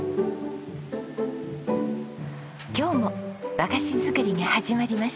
今日も和菓子作りが始まりました。